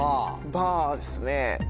バーですね。